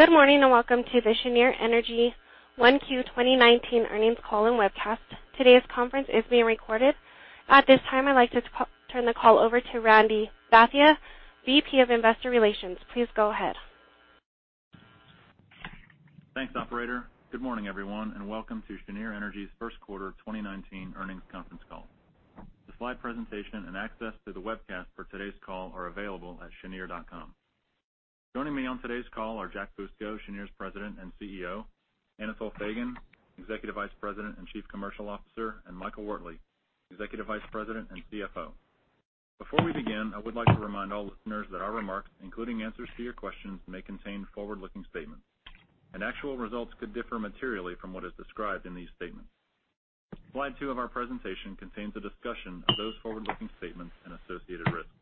Good morning. Welcome to the Cheniere Energy 1Q 2019 Earnings Call and Webcast. Today's conference is being recorded. At this time, I'd like to turn the call over to Randy Bhatia, VP of Investor Relations. Please go ahead. Thanks, operator. Good morning, everyone. Welcome to Cheniere Energy's first quarter 2019 earnings conference call. The slide presentation and access to the webcast for today's call are available at cheniere.com. Joining me on today's call are Jack Fusco, Cheniere's President and CEO, Anatol Feygin, Executive Vice President and Chief Commercial Officer, and Michael Wortley, Executive Vice President and CFO. Before we begin, I would like to remind all listeners that our remarks, including answers to your questions, may contain forward-looking statements, and actual results could differ materially from what is described in these statements. Slide two of our presentation contains a discussion of those forward-looking statements and associated risks.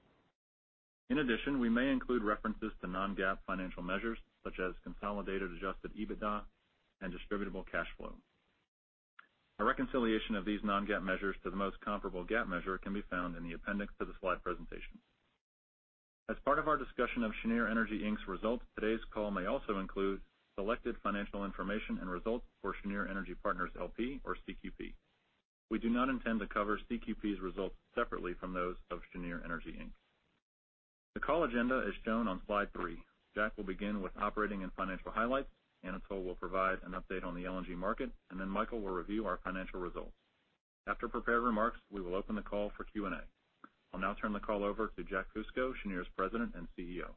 In addition, we may include references to non-GAAP financial measures such as consolidated adjusted EBITDA and distributable cash flow. A reconciliation of these non-GAAP measures to the most comparable GAAP measure can be found in the appendix to the slide presentation. As part of our discussion of Cheniere Energy, Inc.'s results, today's call may also include selected financial information and results for Cheniere Energy Partners, L.P., or CQP. We do not intend to cover CQP's results separately from those of Cheniere Energy, Inc. The call agenda is shown on slide three. Jack will begin with operating and financial highlights. Anatol will provide an update on the LNG market. Michael will review our financial results. After prepared remarks, we will open the call for Q&A. I'll now turn the call over to Jack Fusco, Cheniere's President and CEO.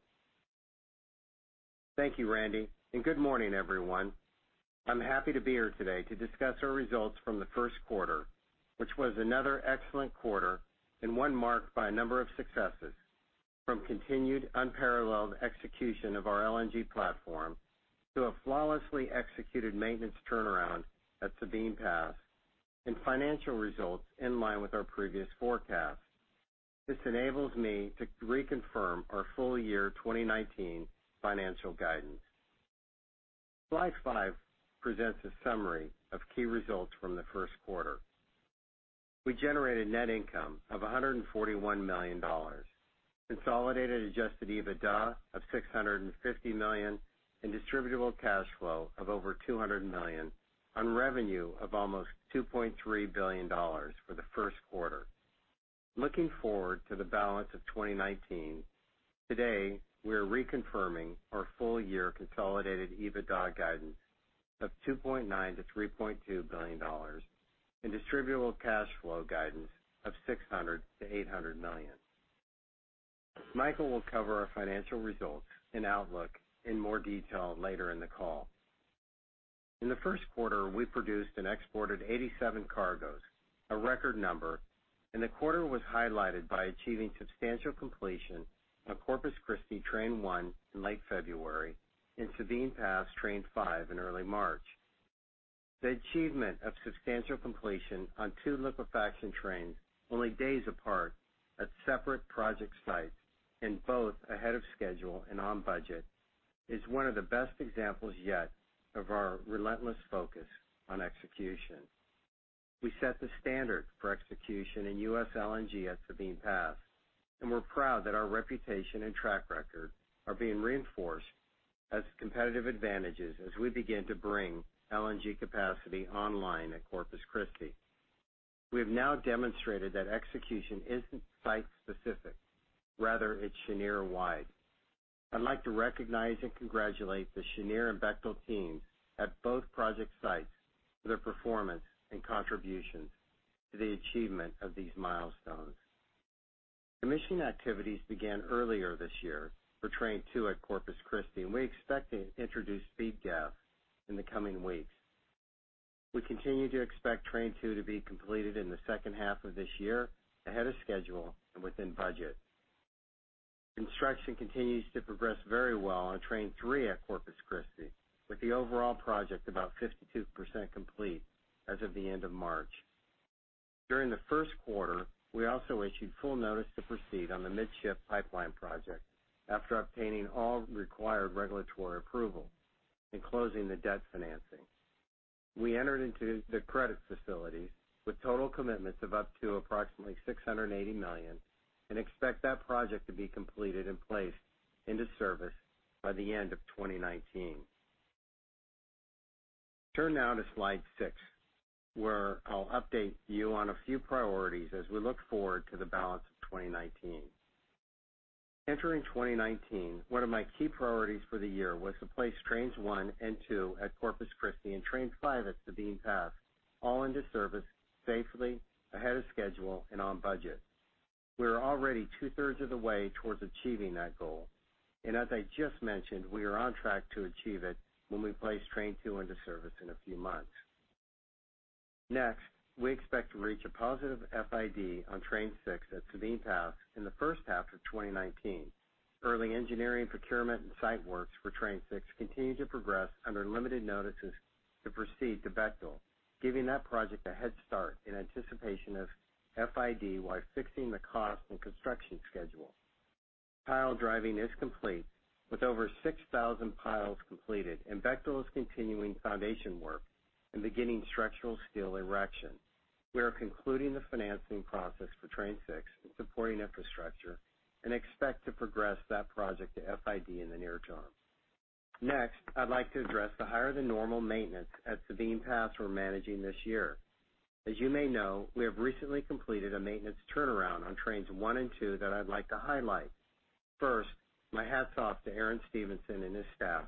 Thank you, Randy. Good morning, everyone. I'm happy to be here today to discuss our results from the first quarter, which was another excellent quarter and one marked by a number of successes, from continued unparalleled execution of our LNG platform to a flawlessly executed maintenance turnaround at Sabine Pass and financial results in line with our previous forecast. This enables me to reconfirm our full year 2019 financial guidance. Slide five presents a summary of key results from the first quarter. We generated net income of $141 million, consolidated adjusted EBITDA of $650 million, and distributable cash flow of over $200 million on revenue of almost $2.3 billion for the first quarter. Looking forward to the balance of 2019, today we are reconfirming our full-year consolidated EBITDA guidance of $2.9 billion-$3.2 billion and distributable cash flow guidance of $600 million-$800 million. Michael Wortley will cover our financial results and outlook in more detail later in the call. In the first quarter, we produced and exported 87 cargoes, a record number, and the quarter was highlighted by achieving substantial completion of Corpus Christi train 1 in late February and Sabine Pass train 5 in early March. The achievement of substantial completion on 2 liquefaction trains only days apart at separate project sites and both ahead of schedule and on budget is one of the best examples yet of our relentless focus on execution. We set the standard for execution in U.S. LNG at Sabine Pass, and we're proud that our reputation and track record are being reinforced as competitive advantages as we begin to bring LNG capacity online at Corpus Christi. We have now demonstrated that execution isn't site-specific. Rather, it's Cheniere-wide. I'd like to recognize and congratulate the Cheniere and Bechtel teams at both project sites for their performance and contributions to the achievement of these milestones. Commissioning activities began earlier this year for train 2 at Corpus Christi, and we expect to introduce feed gas in the coming weeks. We continue to expect train 2 to be completed in the second half of this year, ahead of schedule and within budget. Construction continues to progress very well on train 3 at Corpus Christi, with the overall project about 52% complete as of the end of March. During the first quarter, we also issued full notice to proceed on the Midship pipeline project after obtaining all required regulatory approval and closing the debt financing. We entered into the credit facilities with total commitments of up to approximately $680 million and expect that project to be completed and placed into service by the end of 2019. Turn now to slide six, where I'll update you on a few priorities as we look forward to the balance of 2019. Entering 2019, one of my key priorities for the year was to place trains 1 and 2 at Corpus Christi and train 5 at Sabine Pass all into service safely, ahead of schedule, and on budget. We are already two-thirds of the way towards achieving that goal, and as I just mentioned, we are on track to achieve it when we place train 2 into service in a few months. Next, we expect to reach a positive FID on train 6 at Sabine Pass in the first half of 2019. Early engineering, procurement, and site works for train 6 continue to progress under limited notices to proceed to Bechtel, giving that project a head start in anticipation of FID while fixing the cost and construction schedule. Pile driving is complete, with over 6,000 piles completed, and Bechtel is continuing foundation work and beginning structural steel erection. We are concluding the financing process for train 6 and supporting infrastructure, and expect to progress that project to FID in the near term. Next, I'd like to address the higher-than-normal maintenance at Sabine Pass we're managing this year. As you may know, we have recently completed a maintenance turnaround on trains 1 and 2 that I'd like to highlight. First, my hats off to Aaron Stephenson and his staff,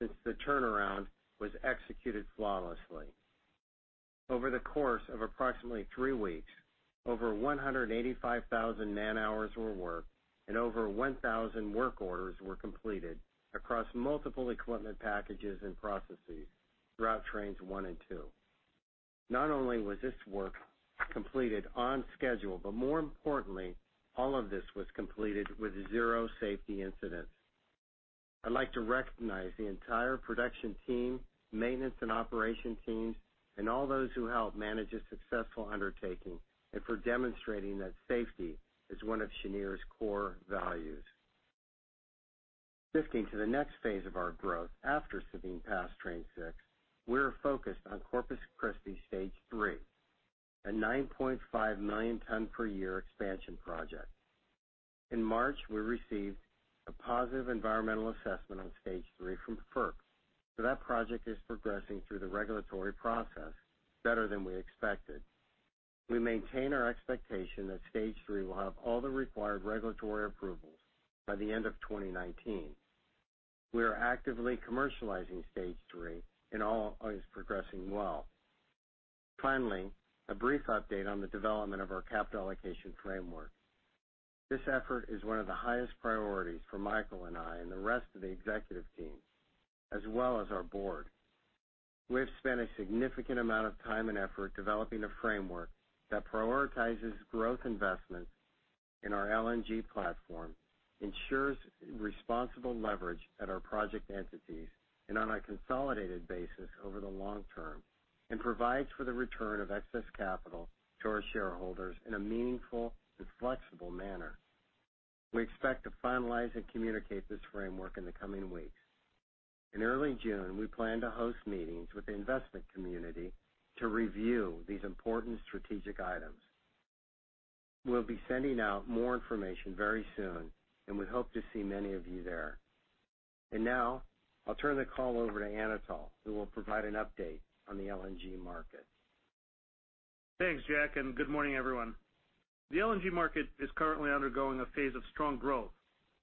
since the turnaround was executed flawlessly. Over the course of approximately three weeks, over 185,000 man-hours were worked, and over 1,000 work orders were completed across multiple equipment packages and processes throughout Trains 1 and 2. Not only was this work completed on schedule, but more importantly, all of this was completed with zero safety incidents. I'd like to recognize the entire production team, maintenance and operation teams, and all those who helped manage a successful undertaking, and for demonstrating that safety is one of Cheniere's core values. Shifting to the next phase of our growth after Sabine Pass Train 6, we are focused on Corpus Christi Stage 3, a 9.5 million ton per year expansion project. In March, we received a positive environmental assessment on Stage 3 from FERC. That project is progressing through the regulatory process better than we expected. We maintain our expectation that Stage 3 will have all the required regulatory approvals by the end of 2019. We are actively commercializing Stage 3, and all is progressing well. Finally, a brief update on the development of our capital allocation framework. This effort is one of the highest priorities for Michael and I, and the rest of the executive team, as well as our board. We have spent a significant amount of time and effort developing a framework that prioritizes growth investments in our LNG platform, ensures responsible leverage at our project entities and on a consolidated basis over the long term, and provides for the return of excess capital to our shareholders in a meaningful and flexible manner. We expect to finalize and communicate this framework in the coming weeks. In early June, we plan to host meetings with the investment community to review these important strategic items. We'll be sending out more information very soon. We hope to see many of you there. Now, I'll turn the call over to Anatol, who will provide an update on the LNG market. Thanks, Jack, and good morning, everyone. The LNG market is currently undergoing a phase of strong growth,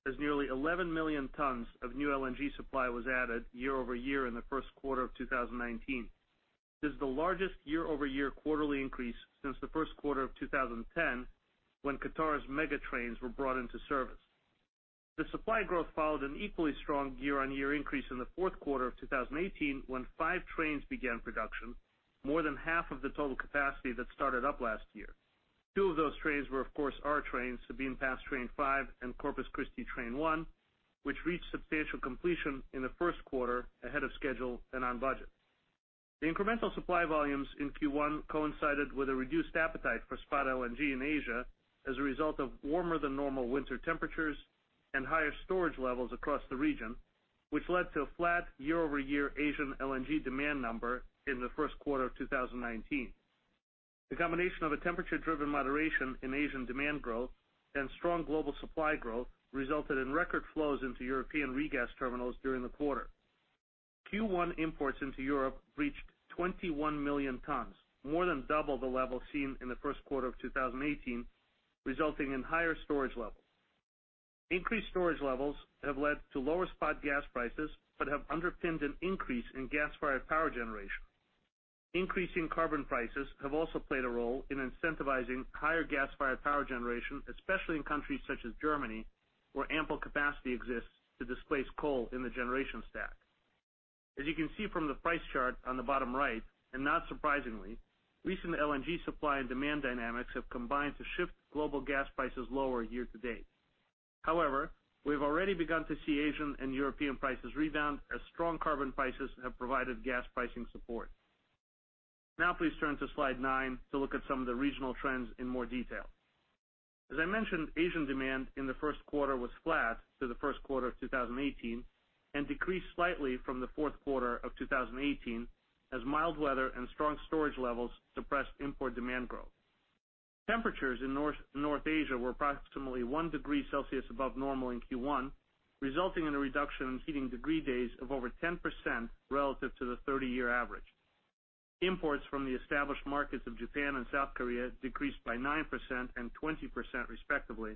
as nearly 11 million tons of new LNG supply was added year-over-year in the first quarter of 2019. This is the largest year-over-year quarterly increase since the first quarter of 2010, when Qatar's mega trains were brought into service. The supply growth followed an equally strong year-on-year increase in the fourth quarter of 2018 when five trains began production, more than half of the total capacity that started up last year. Two of those trains were, of course, our trains, Sabine Pass Train 5 and Corpus Christi Train 1, which reached substantial completion in the first quarter ahead of schedule and on budget. The incremental supply volumes in Q1 coincided with a reduced appetite for spot LNG in Asia as a result of warmer-than-normal winter temperatures and higher storage levels across the region, which led to a flat year-over-year Asian LNG demand number in the first quarter of 2019. The combination of a temperature-driven moderation in Asian demand growth and strong global supply growth resulted in record flows into European regas terminals during the quarter. Q1 imports into Europe reached 21 million tons, more than double the level seen in the first quarter of 2018, resulting in higher storage levels. Increased storage levels have led to lower spot gas prices, but have underpinned an increase in gas-fired power generation. Increasing carbon prices have also played a role in incentivizing higher gas-fired power generation, especially in countries such as Germany, where ample capacity exists to displace coal in the generation stack. As you can see from the price chart on the bottom right, not surprisingly, recent LNG supply and demand dynamics have combined to shift global gas prices lower year to date. However, we've already begun to see Asian and European prices rebound as strong carbon prices have provided gas pricing support. Now please turn to slide nine to look at some of the regional trends in more detail. As I mentioned, Asian demand in the first quarter was flat to the first quarter of 2018 and decreased slightly from the fourth quarter of 2018 as mild weather and strong storage levels suppressed import demand growth. Temperatures in North Asia were approximately one degree Celsius above normal in Q1, resulting in a reduction in heating degree days of over 10% relative to the 30-year average. Imports from the established markets of Japan and South Korea decreased by 9% and 20% respectively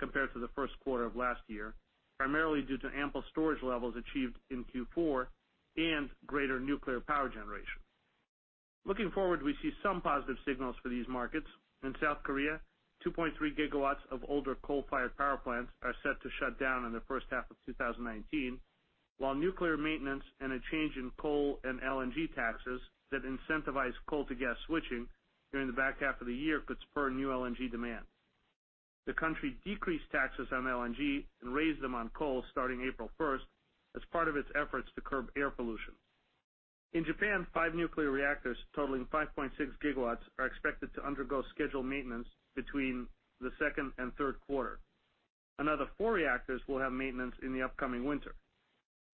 compared to the first quarter of last year, primarily due to ample storage levels achieved in Q4 and greater nuclear power generation. Looking forward, we see some positive signals for these markets. In South Korea, 2.3 GWof older coal-fired power plants are set to shut down in the first half of 2019, while nuclear maintenance and a change in coal and LNG taxes that incentivize coal to gas switching during the back half of the year could spur new LNG demand. The country decreased taxes on LNG and raised them on coal starting April 1st as part of its efforts to curb air pollution. In Japan, five nuclear reactors totaling 5.6 gigawatts are expected to undergo scheduled maintenance between the second and third quarter. Another four reactors will have maintenance in the upcoming winter.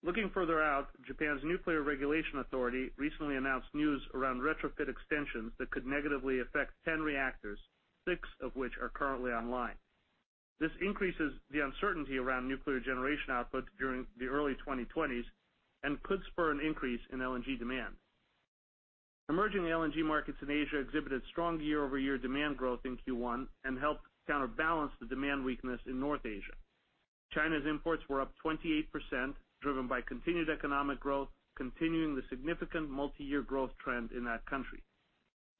Looking further out, Japan's Nuclear Regulation Authority recently announced news around retrofit extensions that could negatively affect 10 reactors, six of which are currently online. This increases the uncertainty around nuclear generation output during the early 2020s and could spur an increase in LNG demand. Emerging LNG markets in Asia exhibited strong year-over-year demand growth in Q1 and helped counterbalance the demand weakness in North Asia. China's imports were up 28%, driven by continued economic growth, continuing the significant multi-year growth trend in that country.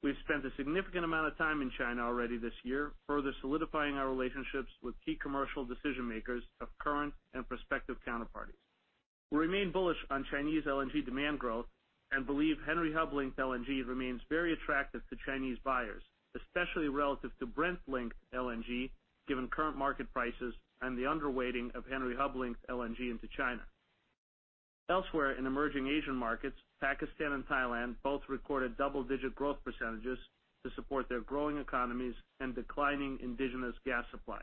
We've spent a significant amount of time in China already this year, further solidifying our relationships with key commercial decision-makers of current and prospective counterparties. We remain bullish on Chinese LNG demand growth and believe Henry Hub-linked LNG remains very attractive to Chinese buyers, especially relative to Brent-linked LNG, given current market prices and the under-weighting of Henry Hub-linked LNG into China. Elsewhere in emerging Asian markets, Pakistan and Thailand both recorded double-digit growth % to support their growing economies and declining indigenous gas supply.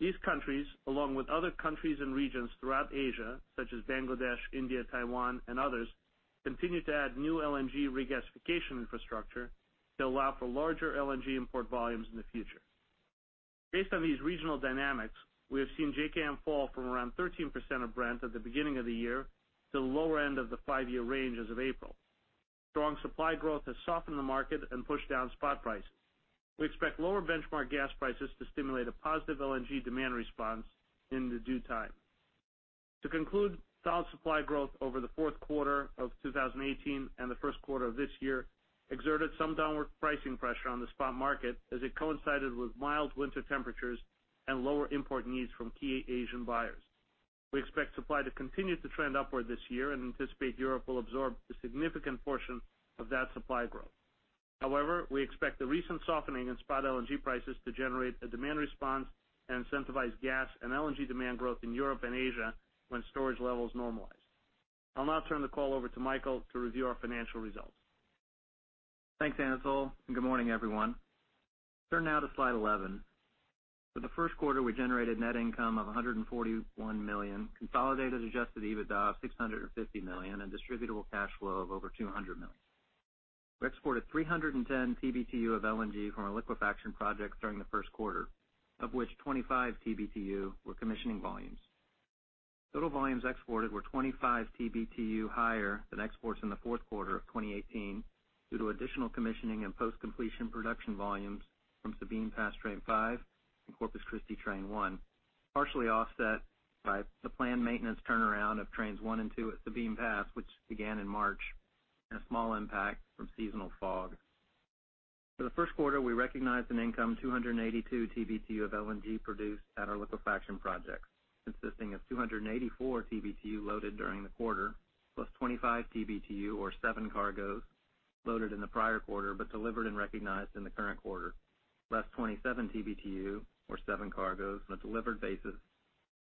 These countries, along with other countries and regions throughout Asia, such as Bangladesh, India, Taiwan, and others, continue to add new LNG regasification infrastructure that allow for larger LNG import volumes in the future. Based on these regional dynamics, we have seen JKM fall from around 13% of Brent at the beginning of the year to the lower end of the five-year range as of April. Strong supply growth has softened the market and pushed down spot prices. We expect lower benchmark gas prices to stimulate a positive LNG demand response in due time. To conclude, solid supply growth over the fourth quarter of 2018 and the first quarter of this year exerted some downward pricing pressure on the spot market as it coincided with mild winter temperatures and lower import needs from key Asian buyers. We expect supply to continue to trend upward this year and anticipate Europe will absorb a significant portion of that supply growth. However, we expect the recent softening in spot LNG prices to generate a demand response and incentivize gas and LNG demand growth in Europe and Asia when storage levels normalize. I'll now turn the call over to Michael to review our financial results. Thanks, Anatol, and good morning, everyone. Turn now to slide 11. For the first quarter, we generated net income of $141 million, consolidated adjusted EBITDA of $650 million, and distributable cash flow of over $200 million. We exported 310 TBTU of LNG from our liquefaction projects during the first quarter, of which 25 TBTU were commissioning volumes. Total volumes exported were 25 TBTU higher than exports in the fourth quarter of 2018 due to additional commissioning and post-completion production volumes from Sabine Pass Train 5 and Corpus Christi Train 1, partially offset by the planned maintenance turnaround of Trains 1 and 2 at Sabine Pass, which began in March, and a small impact from seasonal fog. For the first quarter, we recognized in income 282 TBTU of LNG produced at our liquefaction projects, consisting of 284 TBTU loaded during the quarter, plus 25 TBTU or seven cargoes loaded in the prior quarter but delivered and recognized in the current quarter, less 27 TBTU or seven cargoes on a delivered basis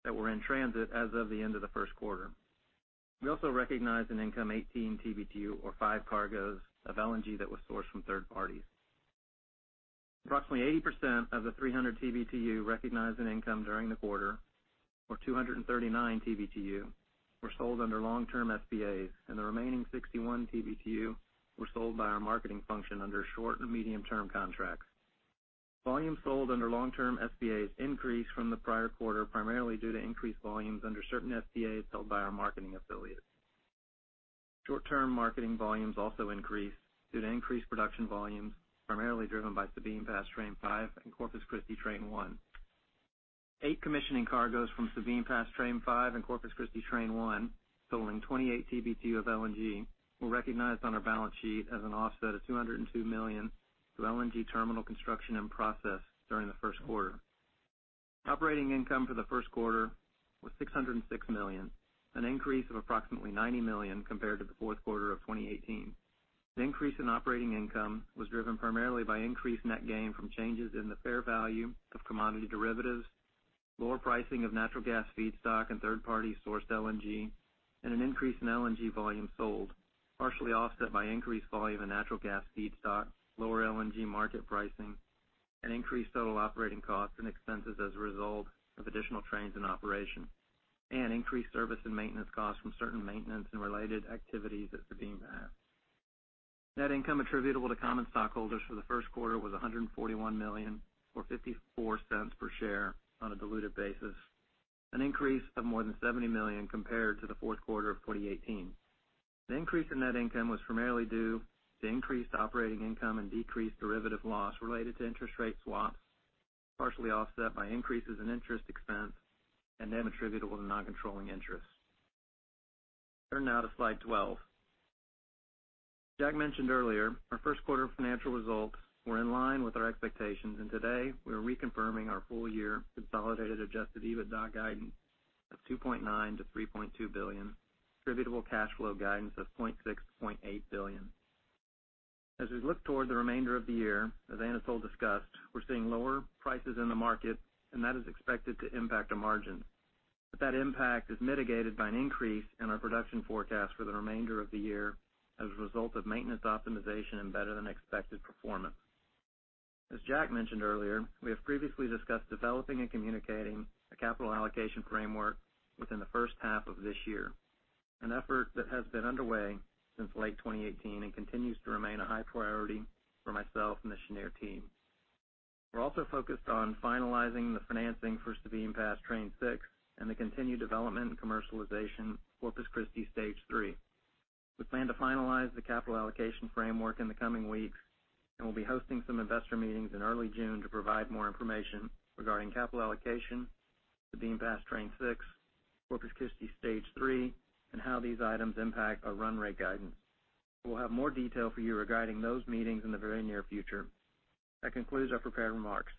that were in transit as of the end of the first quarter. We also recognized in income 18 TBTU or five cargoes of LNG that was sourced from third parties. Approximately 80% of the 300 TBTU recognized in income during the quarter, or 239 TBTU, were sold under long-term SPAs, and the remaining 61 TBTU were sold by our marketing function under short- and medium-term contracts. Volumes sold under long-term SPAs increased from the prior quarter, primarily due to increased volumes under certain SPAs held by our marketing affiliates. Short-term marketing volumes also increased due to increased production volumes, primarily driven by Sabine Pass Train 5 and Corpus Christi Train 1. Eight commissioning cargoes from Sabine Pass Train 5 and Corpus Christi Train 1, totaling 28 TBTU of LNG, were recognized on our balance sheet as an offset of $202 million to LNG terminal construction in process during the first quarter. Operating income for the first quarter was $606 million, an increase of approximately $90 million compared to the fourth quarter of 2018. The increase in operating income was driven primarily by increased net gain from changes in the fair value of commodity derivatives, lower pricing of natural gas feedstock and third-party sourced LNG, and an increase in LNG volume sold, partially offset by increased volume of natural gas feedstock, lower LNG market pricing, and increased total operating costs and expenses as a result of additional trains and operation, and increased service and maintenance costs from certain maintenance and related activities at Sabine Pass. Net income attributable to common stockholders for the first quarter was $141 million, or $0.54 per share on a diluted basis, an increase of more than $70 million compared to the fourth quarter of 2018. The increase in net income was primarily due to increased operating income and decreased derivative loss related to interest rate swaps, partially offset by increases in interest expense and net attributable to non-controlling interests. Turn now to slide 12. Jack mentioned earlier our first quarter financial results were in line with our expectations. Today we are reconfirming our full-year consolidated adjusted EBITDA guidance of $2.9 billion-$3.2 billion, attributable cash flow guidance of $0.6 billion-$0.8 billion. As we look toward the remainder of the year, as Anatol discussed, we're seeing lower prices in the market. That is expected to impact our margins. That impact is mitigated by an increase in our production forecast for the remainder of the year as a result of maintenance optimization and better-than-expected performance. As Jack mentioned earlier, we have previously discussed developing and communicating a capital allocation framework within the first half of this year, an effort that has been underway since late 2018 and continues to remain a high priority for myself and the Cheniere team. We're also focused on finalizing the financing for Sabine Pass Train 6 and the continued development and commercialization of Corpus Christi Stage 3. We plan to finalize the capital allocation framework in the coming weeks. We'll be hosting some investor meetings in early June to provide more information regarding capital allocation, Sabine Pass Train 6, Corpus Christi Stage 3, and how these items impact our run rate guidance. We'll have more detail for you regarding those meetings in the very near future. That concludes our prepared remarks.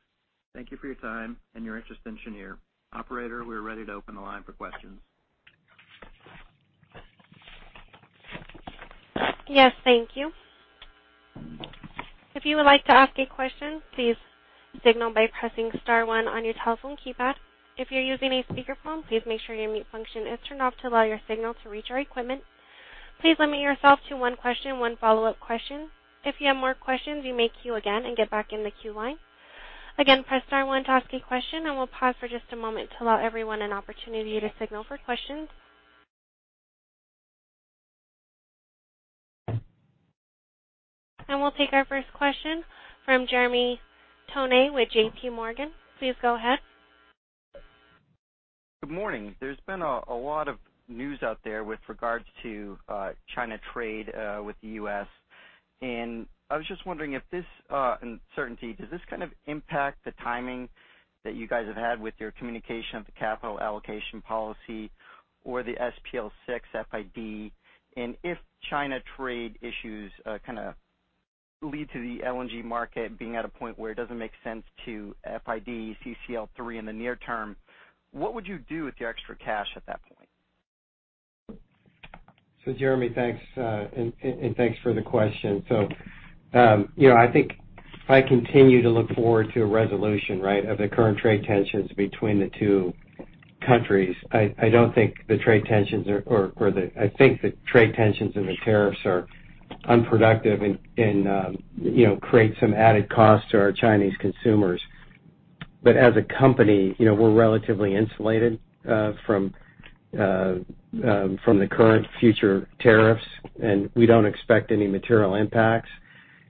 Thank you for your time and your interest in Cheniere. Operator, we are ready to open the line for questions. Yes. Thank you. If you would like to ask a question, please signal by pressing star one on your telephone keypad. If you're using a speakerphone, please make sure your mute function is turned off to allow your signal to reach our equipment. Please limit yourself to one question and one follow-up question. If you have more questions, you may queue again and get back in the queue line. Again, press start one to ask a question, and we'll pause for just a moment to allow everyone an opportunity to signal for questions. We'll take our first question from Jeremy Tonet with JPMorgan. Please go ahead. Good morning. There's been a lot of news out there with regards to China trade with the U.S., I was just wondering if this uncertainty, does this impact the timing that you guys have had with your communication of the capital allocation policy or the SPL6 FID? If China trade issues lead to the LNG market being at a point where it doesn't make sense to FID CCL3 in the near term, what would you do with your extra cash at that point? Jeremy, thanks. Thanks for the question. I think if I continue to look forward to a resolution of the current trade tensions between the two countries. I think the trade tensions and the tariffs are unproductive and create some added cost to our Chinese consumers. As a company, we're relatively insulated from the current future tariffs, and we don't expect any material impacts.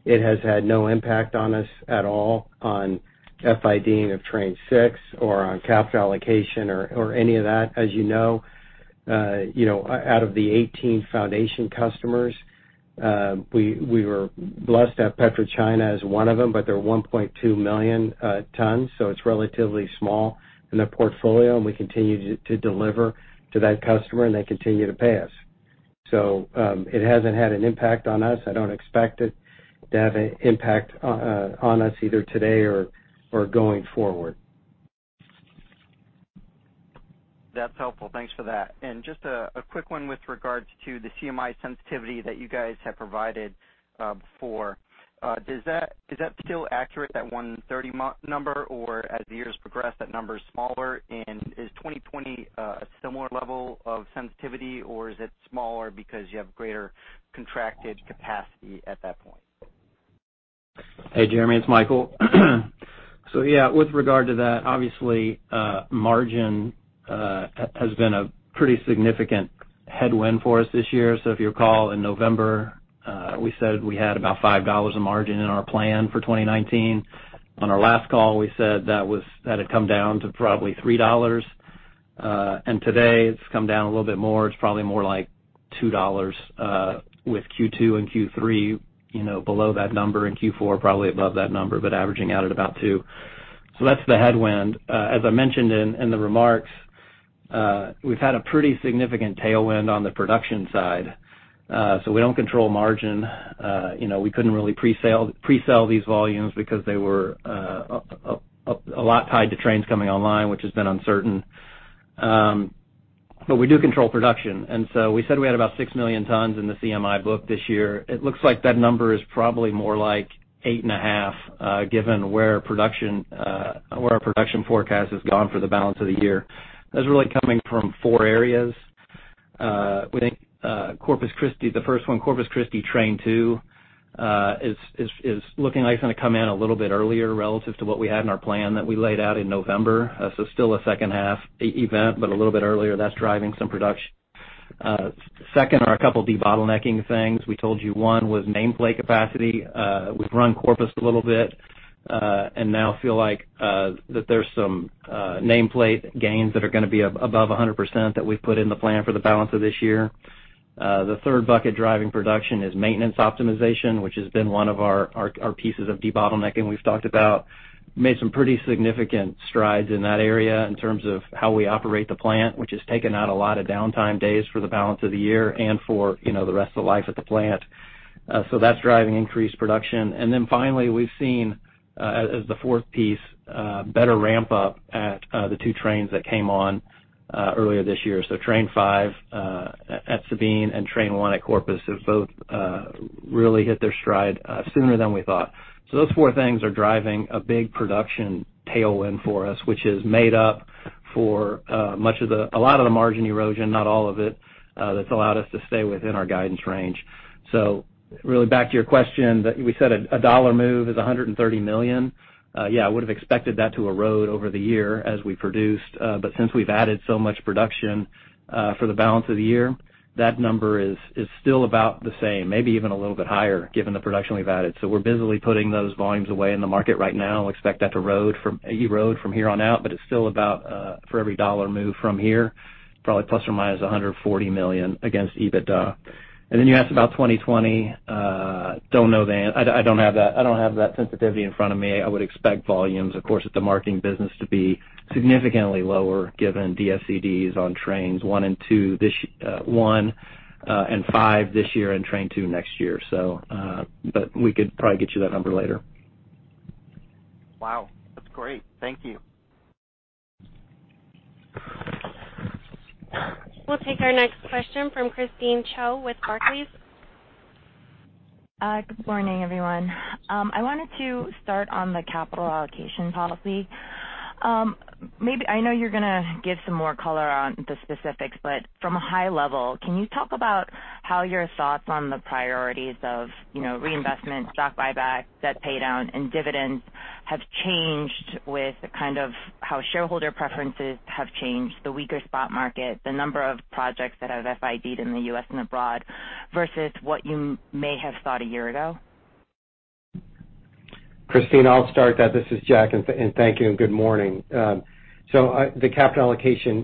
It has had no impact on us at all on FID-ing of Train 6 or on capital allocation or any of that. As you know, out of the 18 foundation customers, we were blessed to have PetroChina as one of them, but they're 1.2 million tons, so it's relatively small in the portfolio, and we continue to deliver to that customer, and they continue to pay us. It hasn't had an impact on us. I don't expect it to have an impact on us either today or going forward. That's helpful. Thanks for that. Just a quick one with regards to the CMI sensitivity that you guys have provided before. Is that still accurate, that $130 million number? Or as the years progress, that number is smaller? Is 2020 a similar level of sensitivity, or is it smaller because you have greater contracted capacity at that point? Hey, Jeremy, it's Michael. With regard to that, obviously, margin has been a pretty significant headwind for us this year. If you recall, in November, we said we had about $5 of margin in our plan for 2019. On our last call, we said that had come down to probably $3. Today, it's come down a little bit more. It's probably more like $2 with Q2 and Q3 below that number and Q4 probably above that number, but averaging out at about $2. That's the headwind. As I mentioned in the remarks, we've had a pretty significant tailwind on the production side. We don't control margin. We couldn't really pre-sell these volumes because they were a lot tied to trains coming online, which has been uncertain. We do control production, we said we had about 6 million tons in the CMI book this year. It looks like that number is probably more like 8.5, given where our production forecast has gone for the balance of the year. That's really coming from 4 areas. Within Corpus Christi, the first one, Corpus Christi Train 2, is looking like it's going to come in a little bit earlier relative to what we had in our plan that we laid out in November. Still a second half event, but a little bit earlier. That's driving some production. Second are a couple de-bottlenecking things. We told you one was nameplate capacity. Now feel like that there's some nameplate gains that are going to be above 100% that we've put in the plan for the balance of this year. The third bucket driving production is maintenance optimization, which has been one of our pieces of de-bottlenecking we've talked about. Made some pretty significant strides in that area in terms of how we operate the plant, which has taken out a lot of downtime days for the balance of the year and for the rest of the life of the plant. That's driving increased production. Finally, we've seen, as the fourth piece, better ramp up at the two trains that came on earlier this year. Train 5 at Sabine and train 1 at Corpus. Have both really hit their stride sooner than we thought. Those four things are driving a big production tailwind for us, which is made up for a lot of the margin erosion, not all of it, that's allowed us to stay within our guidance range. Really back to your question that we said a dollar move is $130 million. I would've expected that to erode over the year as we produced. Since we've added so much production, for the balance of the year, that number is still about the same, maybe even a little bit higher given the production we've added. We're busily putting those volumes away in the market right now. Expect that to erode from here on out. It's still about, for every dollar move from here, probably ±$140 million against EBITDA. You asked about 2020. I don't have that sensitivity in front of me. I would expect volumes, of course, at the marketing business to be significantly lower given DFCDs on trains 1 and 5 this year and train 2 next year. We could probably get you that number later. Wow, that's great. Thank you. We'll take our next question from Christine Cho with Barclays. Good morning, everyone. I wanted to start on the capital allocation policy. I know you're going to give some more color on the specifics, from a high level, can you talk about how your thoughts on the priorities of reinvestment, stock buyback, debt pay down, and dividends have changed with kind of how shareholder preferences have changed, the weaker spot market, the number of projects that have FIDed in the U.S. and abroad versus what you may have thought a year ago? Christine, I'll start that. This is Jack, thank you and good morning. The capital allocation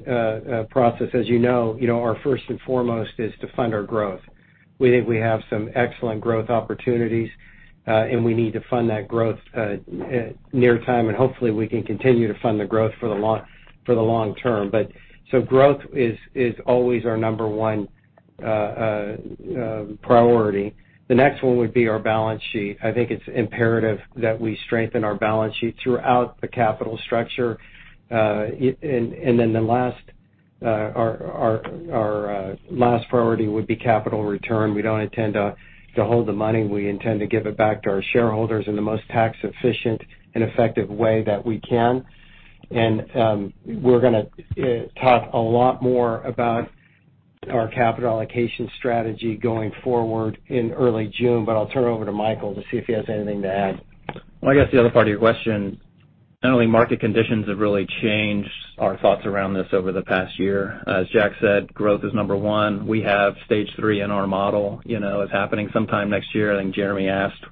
process, as you know our first and foremost is to fund our growth. We think we have some excellent growth opportunities, we need to fund that growth near time, hopefully, we can continue to fund the growth for the long term. Growth is always our number 1 priority. The next one would be our balance sheet. I think it's imperative that we strengthen our balance sheet throughout the capital structure. Our last priority would be capital return. We don't intend to hold the money. We intend to give it back to our shareholders in the most tax-efficient and effective way that we can. We're going to talk a lot more about our capital allocation strategy going forward in early June. I'll turn it over to Michael to see if he has anything to add. I guess the other part of your question, not only market conditions have really changed our thoughts around this over the past year. As Jack said, growth is number one. We have stage 3 in our model. It's happening sometime next year. I think Jeremy asked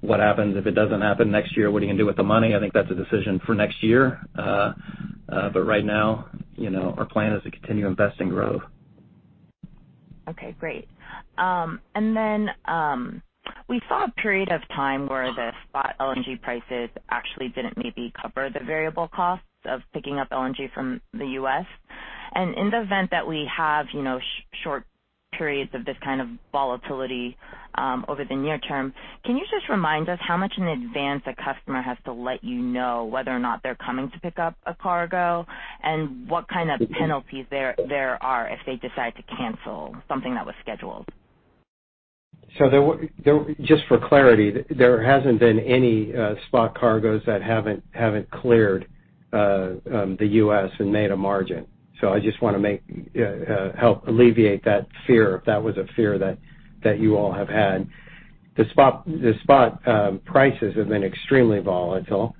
what happens if it doesn't happen next year, what are you going to do with the money? I think that's a decision for next year. Right now, our plan is to continue investing growth. Okay, great. We saw a period of time where the spot LNG prices actually didn't maybe cover the variable costs of picking up LNG from the U.S. In the event that we have short periods of this kind of volatility over the near term, can you just remind us how much in advance a customer has to let you know whether or not they're coming to pick up a cargo, and what kind of penalties there are if they decide to cancel something that was scheduled? Just for clarity, there hasn't been any spot cargoes that haven't cleared the U.S. and made a margin. I just want to help alleviate that fear, if that was a fear that you all have had. The spot prices have been extremely volatile.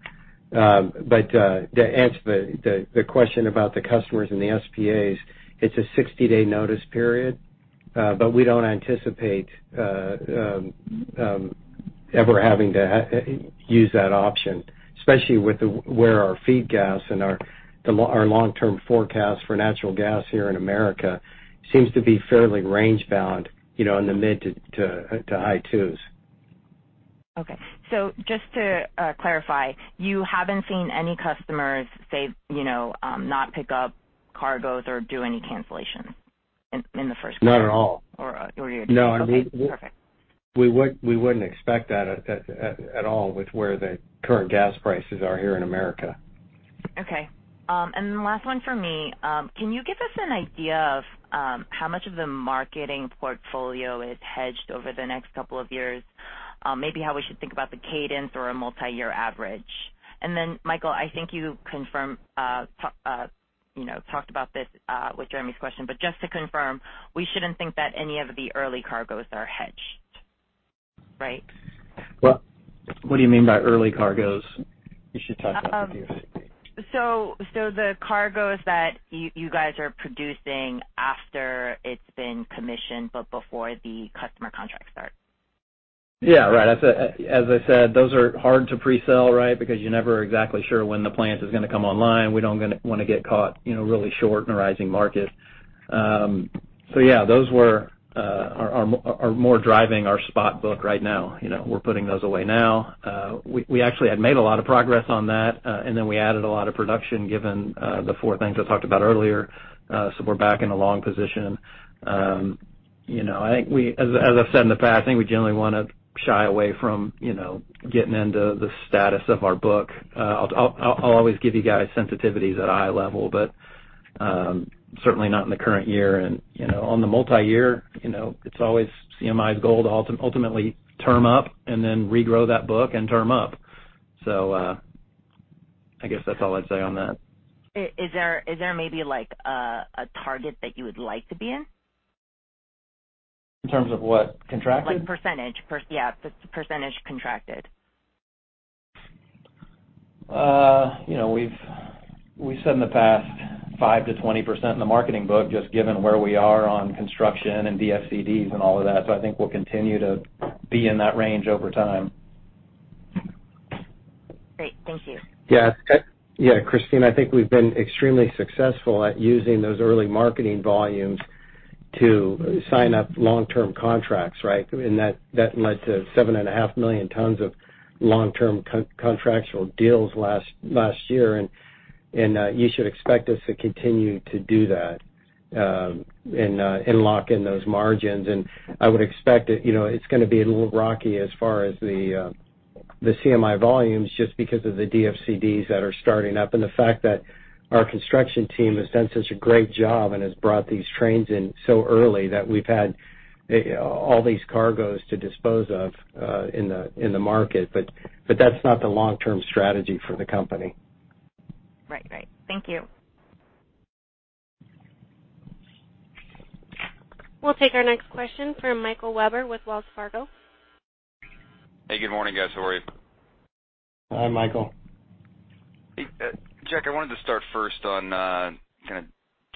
To answer the question about the customers and the SPAs, it's a 60-day notice period. We don't anticipate ever having to use that option, especially where our feed gas and our long-term forecast for natural gas here in America seems to be fairly range-bound in the mid to high twos. Okay. Just to clarify, you haven't seen any customers say, not pick up cargoes or do any cancellations in the first quarter? Not at all. Year to date. Okay, perfect. No, we wouldn't expect that at all with where the current gas prices are here in America. Okay. Last one from me. Can you give us an idea of how much of the marketing portfolio is hedged over the next couple of years? Maybe how we should think about the cadence or a multi-year average. Michael, I think you talked about this with Jeremy's question, but just to confirm, we shouldn't think that any of the early cargoes are hedged, right? Well, what do you mean by early cargoes? You should talk about the DFCD. The cargoes that you guys are producing after it's been commissioned, but before the customer contract starts. Yeah. Right. As I said, those are hard to pre-sell, right? Because you're never exactly sure when the plant is going to come online. We don't want to get caught really short in a rising market. Yeah, those are more driving our spot book right now. We're putting those away now. We actually had made a lot of progress on that. Then we added a lot of production given the four things I talked about earlier. We're back in a long position. I think as I've said in the past, I think we generally want to shy away from getting into the status of our book. I'll always give you guys sensitivities at eye level, but certainly not in the current year. On the multi-year, it's always CMI's goal to ultimately term up and then regrow that book and term up. I guess that's all I'd say on that. Is there maybe a target that you would like to be in? In terms of what? Contracted? Like percentage. Yeah, percentage contracted. We've said in the past 5%-20% in the marketing book, just given where we are on construction and DFCDs and all of that. I think we'll continue to be in that range over time. Great. Thank you. Yeah. Christine, I think we've been extremely successful at using those early marketing volumes to sign up long-term contracts. Right? That led to seven and a half million tons of long-term contractual deals last year. You should expect us to continue to do that, and lock in those margins. I would expect it's going to be a little rocky as far as the CMI volumes, just because of the DFCDs that are starting up. The fact that our construction team has done such a great job and has brought these trains in so early that we've had all these cargoes to dispose of in the market. That's not the long-term strategy for the company. Right. Thank you. We'll take our next question from Michael Webber with Wells Fargo. Hey, good morning, guys. How are you? Hi, Michael. Jack, I wanted to start first on kind of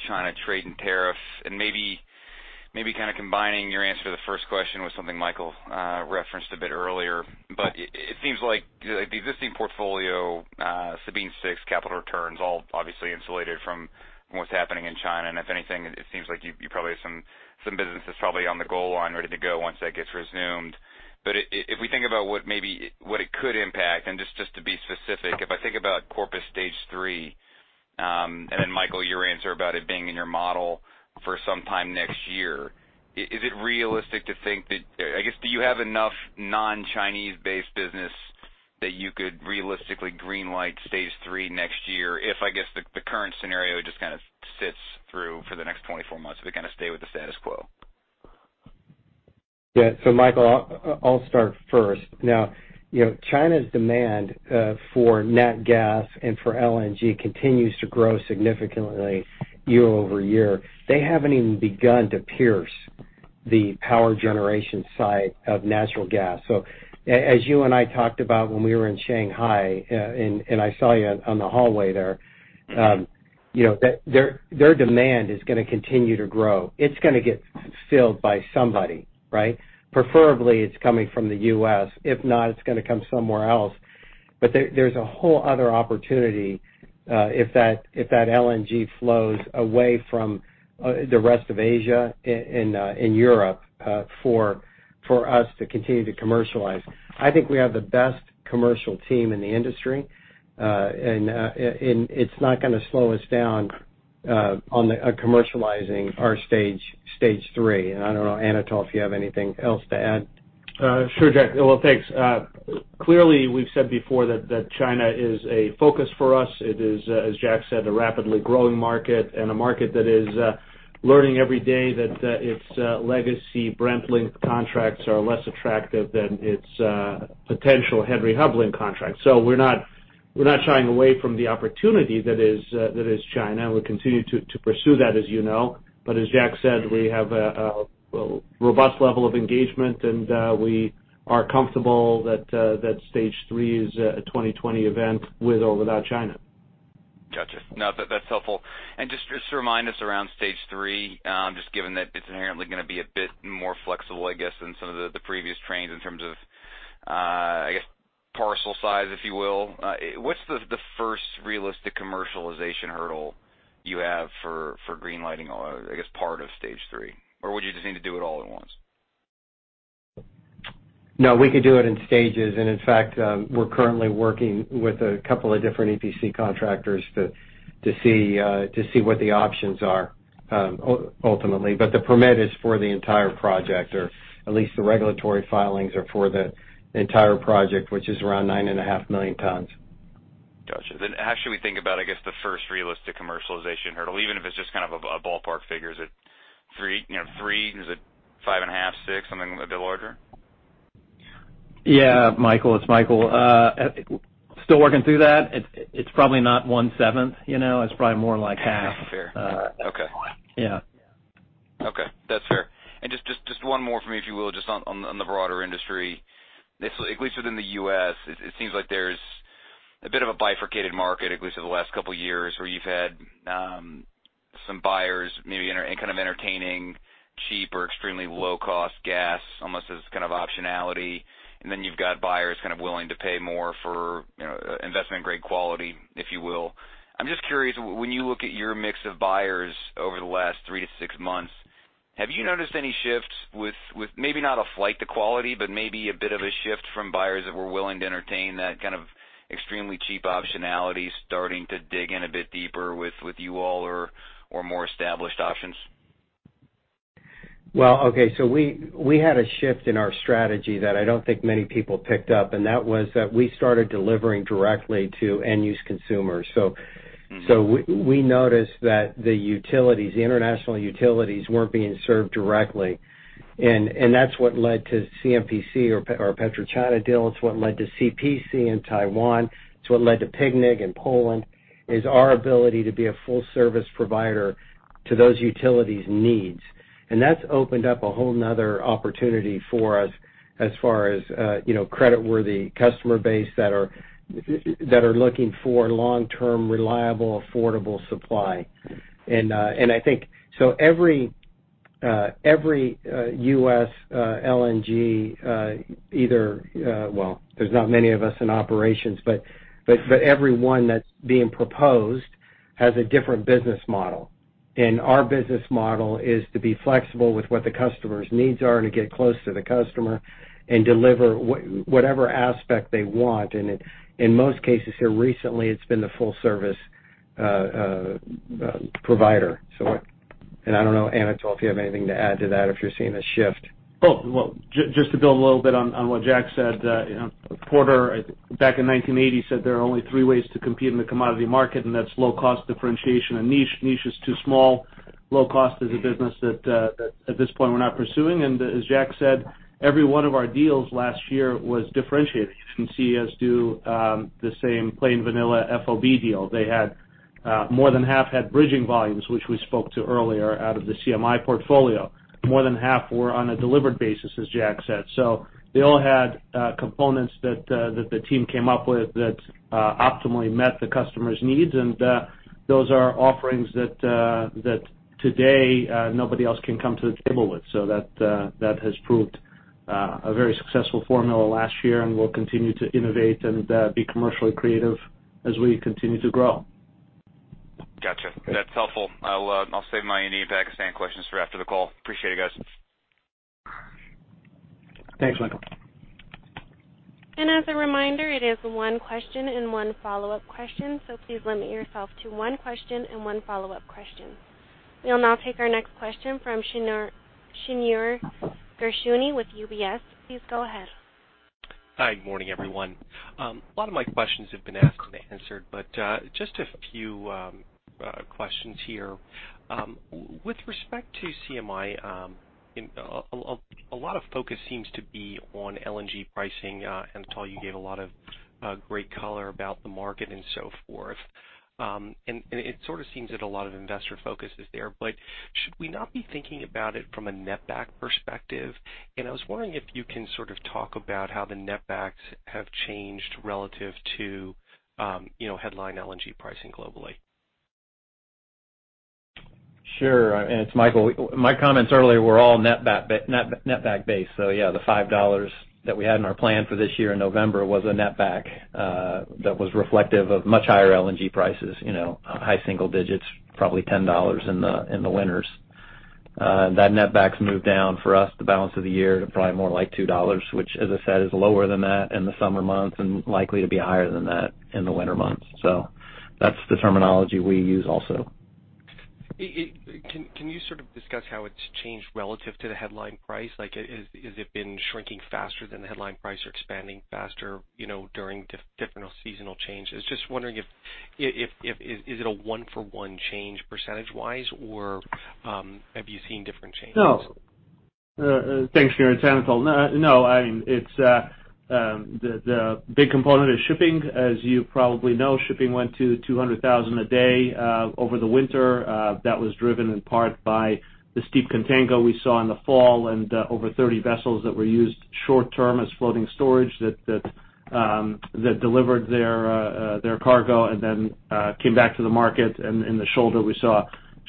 China trade and tariff and maybe kind of combining your answer to the first question with something Michael referenced a bit earlier. It seems like the existing portfolio, Sabine Pass six capital returns all obviously insulated from what's happening in China. If anything, it seems like you probably have some businesses probably on the goal line ready to go once that gets resumed. If we think about what it could impact, and just to be specific, if I think about Corpus stage 3, and then Michael, your answer about it being in your model for some time next year. Is it realistic to think that do you have enough non-Chinese based business that you could realistically green-light stage 3 next year? If the current scenario just kind of sits through for the next 24 months, we kind of stay with the status quo. Michael, I'll start first. China's demand for natural gas and for LNG continues to grow significantly year-over-year. They haven't even begun to pierce the power generation side of natural gas. As you and I talked about when we were in Shanghai, and I saw you on the hallway there, their demand is going to continue to grow. It's going to get filled by somebody, right? Preferably it's coming from the U.S., if not, it's going to come somewhere else. There's a whole other opportunity if that LNG flows away from the rest of Asia and Europe for us to continue to commercialize. I think we have the best commercial team in the industry, and it's not going to slow us down on commercializing our stage 3. I don't know, Anatol, if you have anything else to add. Sure, Jack. Well, thanks. Clearly, we've said before that China is a focus for us. It is, as Jack said, a rapidly growing market and a market that is learning every day that its legacy Brent-linked contracts are less attractive than its potential Henry Hub-linked contracts. We're not shying away from the opportunity that is China. We'll continue to pursue that, as you know. As Jack said, we have a robust level of engagement, and we are comfortable that stage 3 is a 2020 event with or without China. Gotcha. That's helpful. Just to remind us around stage 3, just given that it's inherently going to be a bit more flexible, I guess, than some of the previous trains in terms of parcel size, if you will. What's the first realistic commercialization hurdle you have for green-lighting, I guess, part of stage 3? Would you just need to do it all at once? We could do it in stages. In fact, we're currently working with a couple of different EPC contractors to see what the options are, ultimately. The permit is for the entire project, or at least the regulatory filings are for the entire project, which is around 9.5 million tons. Gotcha. How should we think about, I guess, the first realistic commercialization hurdle, even if it's just kind of a ballpark figure? Is it three? Is it five and a half, six, something a bit larger? Yeah, Michael, it's Michael. Still working through that. It's probably not one seventh. It's probably more like half. Fair. Okay. Yeah. Okay. That's fair. Just one more from me, if you will, just on the broader industry. At least within the U.S., it seems like there's a bit of a bifurcated market, at least for the last couple of years, where you've had some buyers maybe kind of entertaining cheap or extremely low-cost gas almost as kind of optionality. You've got buyers kind of willing to pay more for investment-grade quality, if you will. I'm just curious, when you look at your mix of buyers over the last three to six months, have you noticed any shifts with maybe not a flight to quality, but maybe a bit of a shift from buyers that were willing to entertain that kind of extremely cheap optionality starting to dig in a bit deeper with you all or more established options? Well, okay. We had a shift in our strategy that I don't think many people picked up, and that was that we started delivering directly to end-use consumers. We noticed that the international utilities weren't being served directly, and that's what led to CNPC or PetroChina deal. It's what led to CPC in Taiwan. It's what led to PGNiG in Poland, is our ability to be a full-service provider to those utilities' needs. That's opened up a whole another opportunity for us as far as creditworthy customer base that are looking for long-term, reliable, affordable supply. Every U.S. LNG, well, there's not many of us in operations, but every one that's being proposed has a different business model. Our business model is to be flexible with what the customer's needs are and to get close to the customer and deliver whatever aspect they want. In most cases here recently, it's been the full-service provider. I don't know, Anatol, if you have anything to add to that, if you're seeing a shift. Well, just to build a little bit on what Jack said. Porter, back in 1980, said there are only three ways to compete in the commodity market, that's low cost, differentiation, and niche. Niche is too small. Low cost is a business that at this point we're not pursuing, as Jack said, every one of our deals last year was differentiated. You didn't see us do the same plain vanilla FOB deal. More than half had bridging volumes, which we spoke to earlier out of the CMI portfolio. More than half were on a delivered basis, as Jack said. They all had components that the team came up with that optimally met the customer's needs, and those are offerings that today nobody else can come to the table with. That has proved a very successful formula last year, we'll continue to innovate and be commercially creative as we continue to grow. Got you. That's helpful. I'll save my Indian Pakistan questions for after the call. Appreciate it, guys. Thanks, Michael. As a reminder, it is one question and one follow-up question. Please limit yourself to one question and one follow-up question. We'll now take our next question from Shneur Gershuni with UBS. Please go ahead. Hi. Good morning, everyone. A lot of my questions have been asked and answered, but just a few questions here. With respect to CMI, a lot of focus seems to be on LNG pricing. Anatol, you gave a lot of great color about the market and so forth. It sort of seems that a lot of investor focus is there. Should we not be thinking about it from a netback perspective? I was wondering if you can sort of talk about how the netbacks have changed relative to headline LNG pricing globally. Sure. It's Michael. My comments earlier were all netback-based. Yeah, the $5 that we had in our plan for this year in November was a netback that was reflective of much higher LNG prices, high single digits, probably $10 in the winters. That netback's moved down for us the balance of the year to probably more like $2, which as I said, is lower than that in the summer months and likely to be higher than that in the winter months. That's the terminology we use also. Can you sort of discuss how it's changed relative to the headline price? Like has it been shrinking faster than the headline price or expanding faster during different seasonal changes? Just wondering if is it a one-for-one change percentage-wise, or have you seen different changes? No. Thanks, Shneur. It's Anatol. The big component is shipping. As you probably know, shipping went to 200,000 a day over the winter. That was driven in part by the steep contango we saw in the fall and over 30 vessels that were used short-term as floating storage that delivered their cargo and then came back to the market. In the shoulder, we saw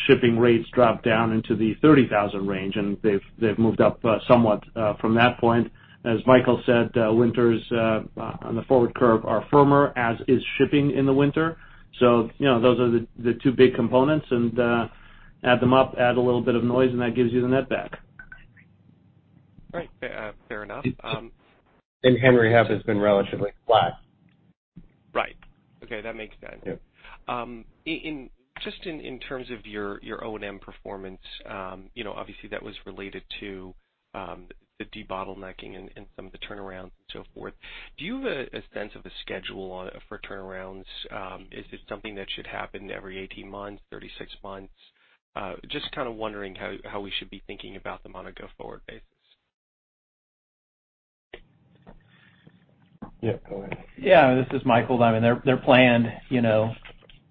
shipping rates drop down into the 30,000 range, and they've moved up somewhat from that point. As Michael said, winters on the forward curve are firmer, as is shipping in the winter. Those are the two big components, and add them up, add a little bit of noise, and that gives you the netback. Right. Fair enough. Henry Hub has been relatively flat. Right. Okay. That makes sense. Yep. Just in terms of your O&M performance, obviously, that was related to the de-bottlenecking and some of the turnarounds and so forth. Do you have a sense of a schedule for turnarounds? Is it something that should happen every 18 months, 36 months? Just kind of wondering how we should be thinking about them on a go-forward basis. Yeah, go ahead. Yeah. This is Michael. They're planned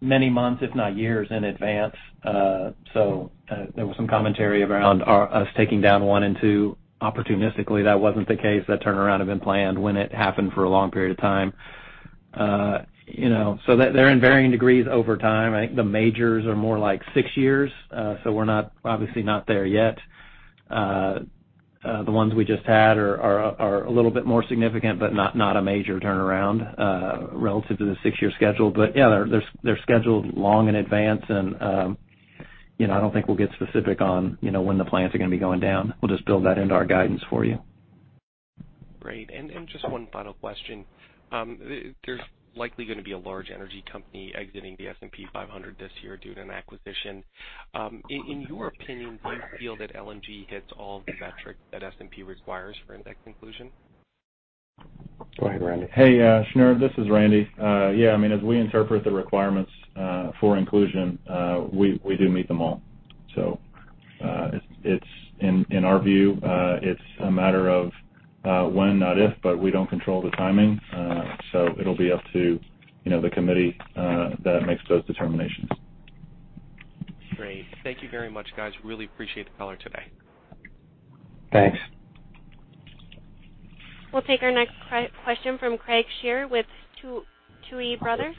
many months, if not years, in advance. There was some commentary around us taking down one and two opportunistically. That wasn't the case. That turnaround had been planned when it happened for a long period of time. They're in varying degrees over time. I think the majors are more like 6 years. We're obviously not there yet. The ones we just had are a little bit more significant, but not a major turnaround relative to the six-year schedule. Yeah, they're scheduled long in advance and I don't think we'll get specific on when the plants are going to be going down. We'll just build that into our guidance for you. Great. Just one final question. There's likely going to be a large energy company exiting the S&P 500 this year due to an acquisition. In your opinion, do you feel that LNG hits all the metrics that S&P requires for index inclusion? Go ahead, Randy. Hey, Shneur, this is Randy. Yeah, as we interpret the requirements for inclusion, we do meet them all. In our view, it's a matter of when, not if, but we don't control the timing. It'll be up to the committee that makes those determinations. Great. Thank you very much, guys. Really appreciate the color today. Thanks. We'll take our next question from Craig Shere with Tuohy Brothers.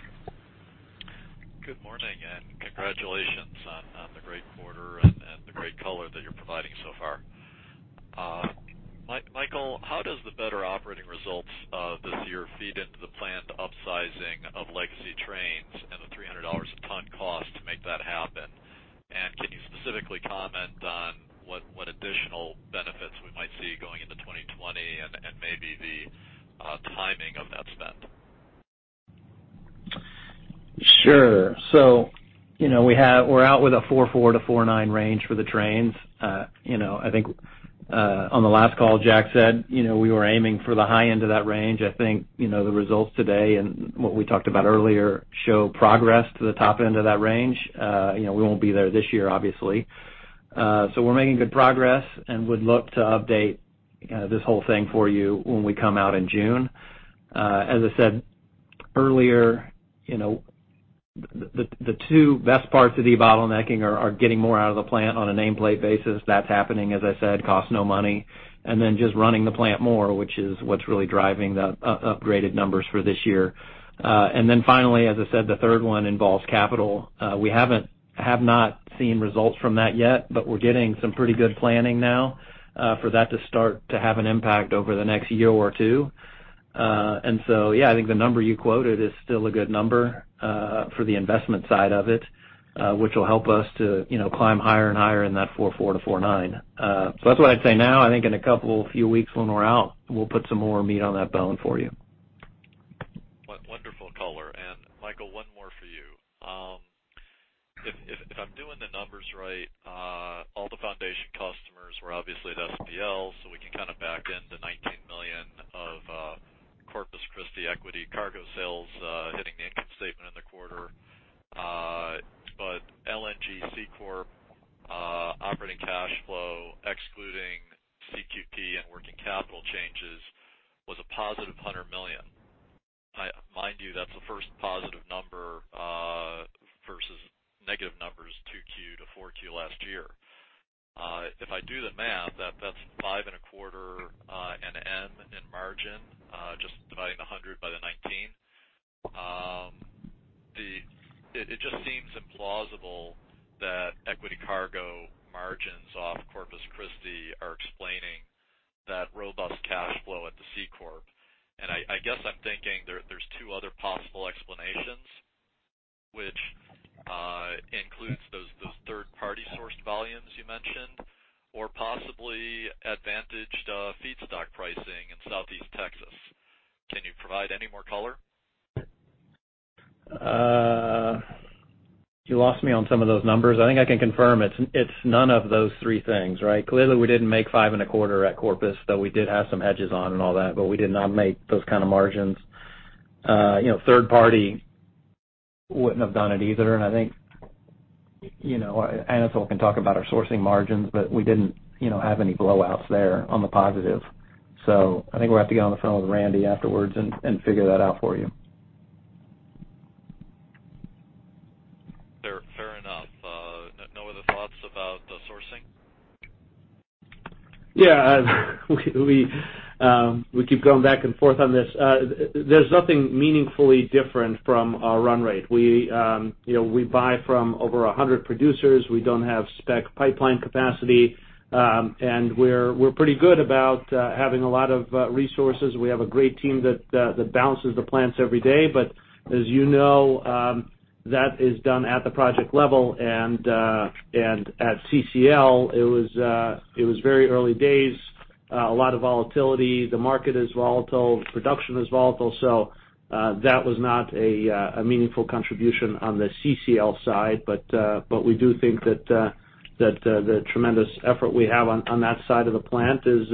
Good morning. Congratulations on the great quarter and the great color that you're providing so far. Michael, how does the better operating results this year feed into the planned upsizing of legacy trains and the $300 a ton cost to make that happen? Can you specifically comment on what additional benefits we might see going into 2020 and maybe the timing of that spend? Sure. We're out with a 4.4-4.9 range for the trains. I think on the last call, Jack Fusco said we were aiming for the high end of that range. I think the results today and what we talked about earlier show progress to the top end of that range. We won't be there this year, obviously. We're making good progress and would look to update this whole thing for you when we come out in June. As I said earlier, the two best parts of the de-bottlenecking are getting more out of the plant on a nameplate basis. That's happening, as I said, costs no money. Just running the plant more, which is what's really driving the upgraded numbers for this year. Finally, as I said, the third one involves capital. We have not seen results from that yet. We're getting some pretty good planning now for that to start to have an impact over the next year or two. Yeah, I think the number you quoted is still a good number for the investment side of it, which will help us to climb higher and higher in that 4.4-4.9. That's what I'd say now. I think in a few weeks when we're out, we'll put some more meat on that bone for you. Wonderful color. Michael, one more for you. If I'm doing the numbers right, all the foundation customers were obviously at SPL, we can kind of back into $19 million of Corpus Christi equity cargo sales hitting the income statement in the quarter. LNG C-Corp operating cash flow, excluding CQP and working capital changes, was a positive $100 million. Mind you, that's the first positive number versus negative numbers 2Q to 4Q last year. If I do the math, that's five and a quarter and a M in margin, just dividing 100 by the 19. It just seems implausible that equity cargo margins off Corpus Christi are explaining that robust cash flow at the C Corp. I guess I'm thinking there's two other possible explanations, which includes those third-party sourced volumes you mentioned, or possibly advantaged feedstock pricing in Southeast Texas. Can you provide any more color? You lost me on some of those numbers. I think I can confirm it's none of those three things, right? Clearly, we didn't make five and a quarter at Corpus, though we did have some hedges on and all that, but we did not make those kind of margins. Third party wouldn't have done it either, and I think Anatol can talk about our sourcing margins, but we didn't have any blowouts there on the positive. I think we'll have to get on the phone with Randy afterwards and figure that out for you. Fair enough. No other thoughts about the sourcing? Yeah. We keep going back and forth on this. There's nothing meaningfully different from our run rate. We buy from over 100 producers. We don't have spec pipeline capacity. We're pretty good about having a lot of resources. We have a great team that balances the plants every day. As you know, that is done at the project level and at CCL, it was very early days, a lot of volatility. The market is volatile. Production is volatile. That was not a meaningful contribution on the CCL side. We do think that the tremendous effort we have on that side of the plant is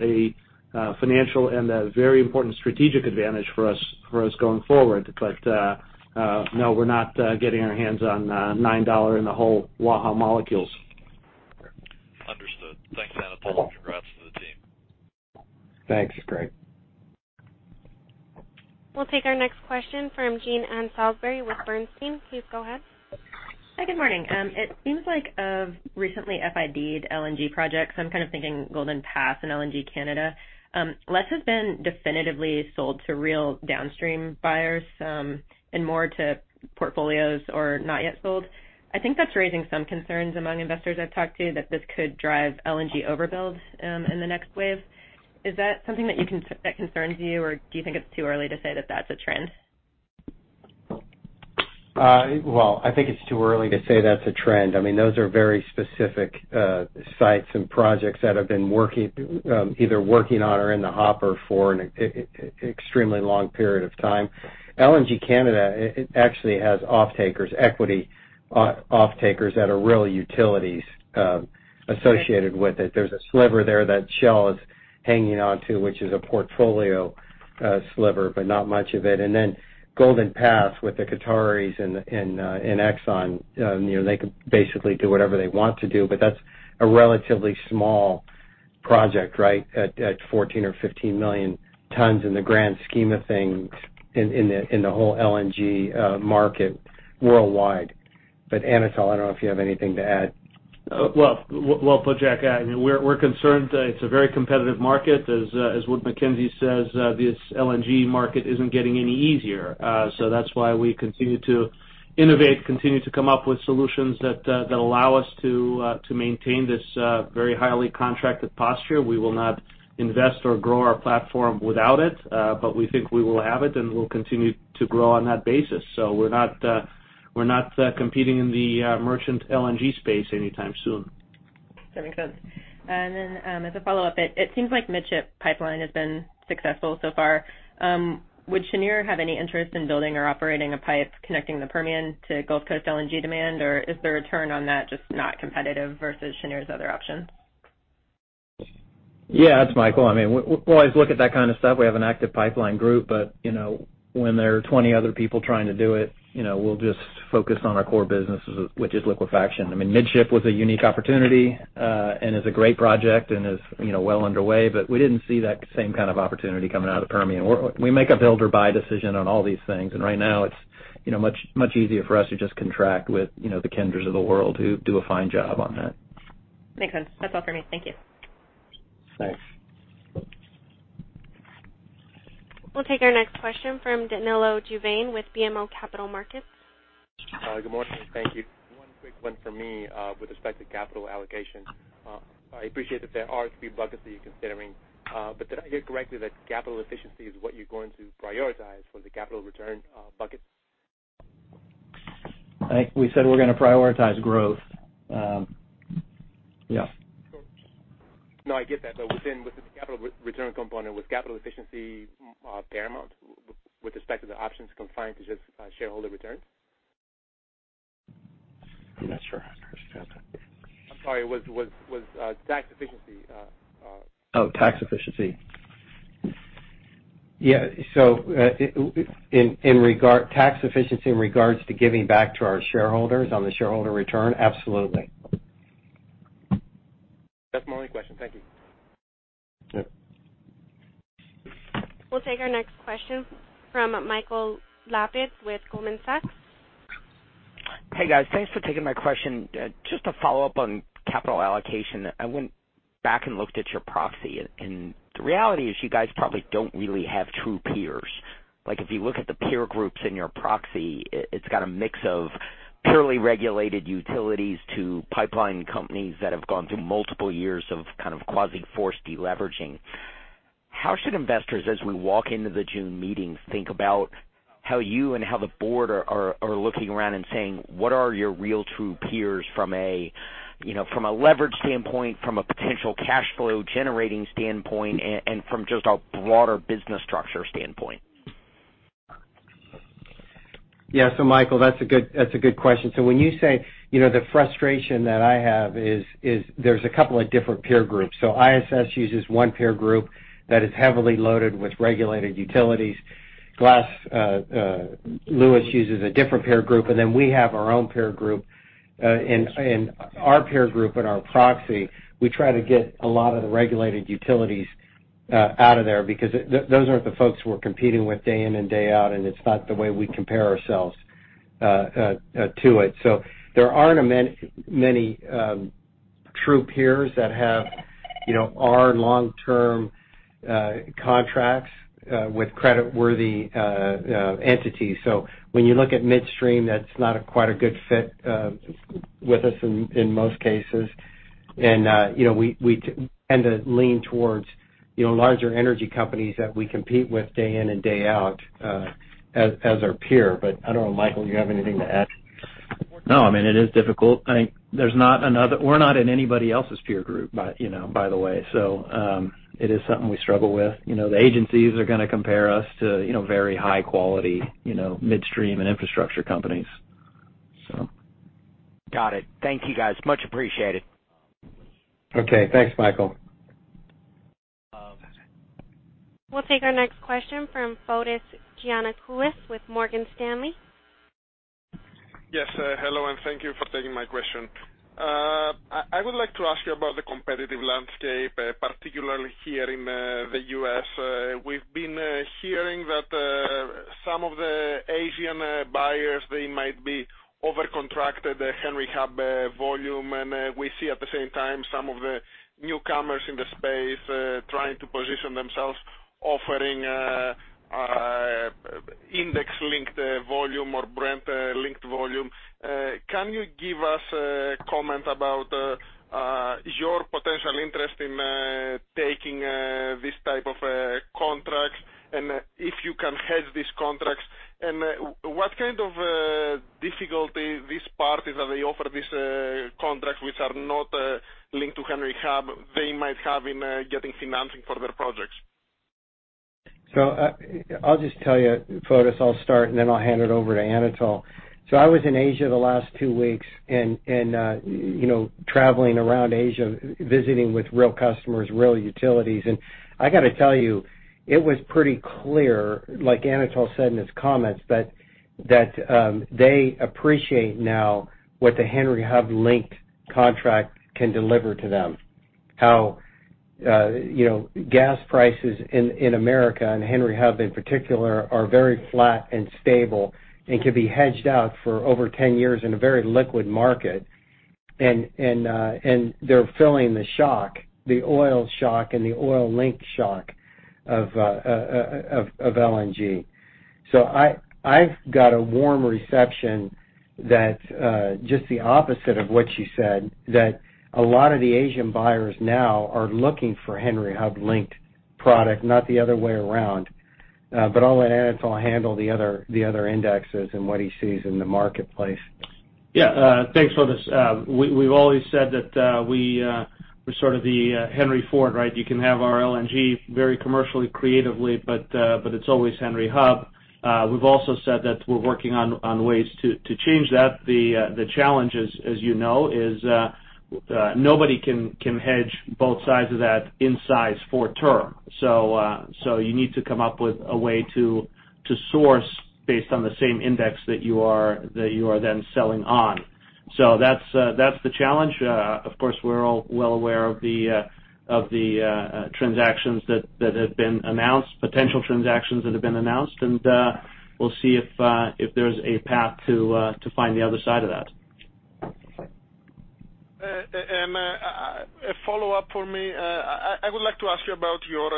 a financial and a very important strategic advantage for us going forward. No, we're not getting our hands on $9 and the whole Waha molecules. Understood. Thanks, Anatol. Congrats to the team. Thanks, Craig. We'll take our next question from Jean Ann Salisbury with Bernstein. Please go ahead. Hi. Good morning. It seems like of recently FID-ed LNG projects, I'm kind of thinking Golden Pass and LNG Canada, less has been definitively sold to real downstream buyers and more to portfolios or not yet sold. I think that's raising some concerns among investors I've talked to, that that's could drive LNG overbuild in the next wave. Is that something that concerns you, or do you think it's too early to say that that's a trend? Well, I think it's too early to say that's a trend. Those are very specific sites and projects that have been either working on or in the hopper for an extremely long period of time. LNG Canada actually has off-takers, equity off-takers that are really utilities associated with it. There's a sliver there that Shell is hanging onto, which is a portfolio sliver, but not much of it. Golden Pass with the Qataris and Exxon, they can basically do whatever they want to do, but that's a relatively small project at 14 or 15 million tons in the grand scheme of things in the whole LNG market worldwide. Anatol, I don't know if you have anything to add. Well, Jack, we're concerned that it's a very competitive market. As Wood Mackenzie says, this LNG market isn't getting any easier. That's why we continue to innovate, continue to come up with solutions that allow us to maintain this very highly contracted posture. We will not invest or grow our platform without it. We think we will have it, and we'll continue to grow on that basis. We're not competing in the merchant LNG space anytime soon. That makes sense. As a follow-up, it seems like Midship Pipeline has been successful so far. Would Cheniere have any interest in building or operating a pipe connecting the Permian to Gulf Coast LNG demand, or is the return on that just not competitive versus Cheniere's other options? Yeah. It's Michael. We always look at that kind of stuff. We have an active pipeline group, but when there are 20 other people trying to do it, we'll just focus on our core business, which is liquefaction. Midship was a unique opportunity and is a great project and is well underway, but we didn't see that same kind of opportunity coming out of the Permian. We make a build or buy decision on all these things, and right now it's much easier for us to just contract with the Kinders of the world who do a fine job on that. Makes sense. That's all for me. Thank you. Thanks. We'll take our next question from Danilo Juvane with BMO Capital Markets. Good morning. Thank you. One quick one from me with respect to capital allocation. I appreciate that there are 3 buckets that you're considering. Did I hear correctly that capital efficiency is what you're going to prioritize for the capital return bucket? I think we said we're going to prioritize growth. Yeah. No, I get that. Within the capital return component, was capital efficiency paramount with respect to the options confined to just shareholder returns? I'm not sure I understand that. I'm sorry. Was tax efficiency- Oh, tax efficiency. Yeah. Tax efficiency in regards to giving back to our shareholders on the shareholder return? Absolutely. That's my only question. Thank you. Yeah. We'll take our next question from Michael Lapides with Goldman Sachs. Hey, guys. Thanks for taking my question. Just a follow-up on capital allocation. I went back and looked at your proxy, the reality is you guys probably don't really have true peers. If you look at the peer groups in your proxy, it's got a mix of purely regulated utilities to pipeline companies that have gone through multiple years of quasi-forced de-leveraging. How should investors, as we walk into the June meeting, think about how you and how the board are looking around and saying, what are your real true peers from a leverage standpoint, from a potential cash flow generating standpoint, and from just a broader business structure standpoint? Yeah. Michael, that's a good question. The frustration that I have is there's a couple of different peer groups. ISS uses one peer group that is heavily loaded with regulated utilities. Glass, Lewis & Co. uses a different peer group, then we have our own peer group. In our peer group, in our proxy, we try to get a lot of the regulated utilities out of there, because those aren't the folks we're competing with day in and day out, and it's not the way we compare ourselves to it. There aren't many true peers that have our long-term contracts with creditworthy entities. When you look at midstream, that's not quite a good fit with us in most cases. We tend to lean towards larger energy companies that we compete with day in and day out as our peer. I don't know, Michael, you have anything to add? No. It is difficult. We're not in anybody else's peer group, by the way. It is something we struggle with. The agencies are going to compare us to very high-quality midstream and infrastructure companies. Got it. Thank you, guys. Much appreciated. Okay. Thanks, Michael. We'll take our next question from Fotis Giannakoulis with Morgan Stanley. Yes. Hello, and thank you for taking my question. I would like to ask you about the competitive landscape, particularly here in the U.S. We've been hearing that some of the Asian buyers, they might be over-contracted Henry Hub volume, and we see at the same time some of the newcomers in the space trying to position themselves offering index-linked volume or Brent-linked volume. Can you give us a comment about potential interest in taking this type of contracts and if you can hedge these contracts. What kind of difficulty these parties, that they offer these contracts which are not linked to Henry Hub, they might have in getting financing for their projects? I'll just tell you, Fotis, I'll start, and then I'll hand it over to Anatol. I was in Asia the last 2 weeks and traveling around Asia, visiting with real customers, real utilities. I got to tell you, it was pretty clear, like Anatol said in his comments, that they appreciate now what the Henry Hub linked contract can deliver to them. How gas prices in America, and Henry Hub in particular, are very flat and stable and can be hedged out for over 10 years in a very liquid market. They're feeling the shock, the oil shock and the oil-linked shock of LNG. I've got a warm reception that just the opposite of what you said, that a lot of the Asian buyers now are looking for Henry Hub linked product, not the other way around. I'll let Anatol handle the other indexes and what he sees in the marketplace. Thanks, Fotis. We've always said that we're sort of the Henry Ford. You can have our LNG very commercially, creatively, but it's always Henry Hub. We've also said that we're working on ways to change that. The challenge is, as you know, is nobody can hedge both sides of that in size for term. You need to come up with a way to source based on the same index that you are then selling on. That's the challenge. Of course, we're all well aware of the transactions that have been announced, potential transactions that have been announced, we'll see if there's a path to find the other side of that. A follow-up for me. I would like to ask you about your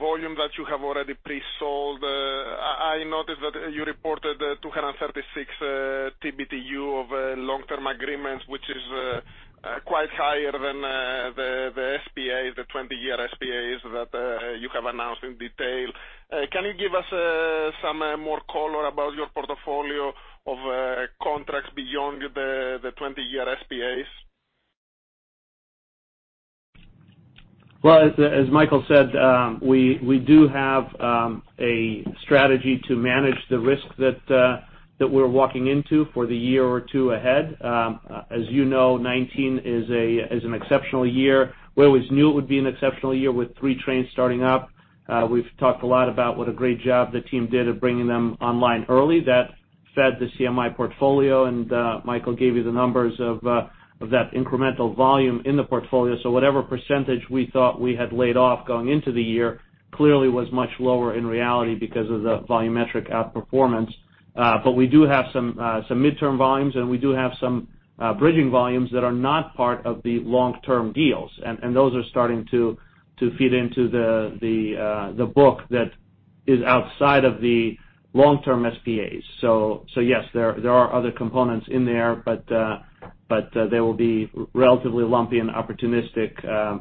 volume that you have already pre-sold. I noticed that you reported 236 TBTU of long-term agreements, which is quite higher than the SPAs, the 20-year SPAs that you have announced in detail. Can you give us some more color about your portfolio of contracts beyond the 20-year SPAs? Well, as Michael said, we do have a strategy to manage the risk that we're walking into for the year or two ahead. As you know, 2019 is an exceptional year. We always knew it would be an exceptional year with three trains starting up. We've talked a lot about what a great job the team did at bringing them online early. That fed the CMI portfolio, and Michael gave you the numbers of that incremental volume in the portfolio. Whatever percentage we thought we had laid off going into the year, clearly was much lower in reality because of the volumetric outperformance. We do have some midterm volumes, and we do have some bridging volumes that are not part of the long-term deals, and those are starting to feed into the book that is outside of the long-term SPAs. Yes, there are other components in there, but they will be relatively lumpy and opportunistic.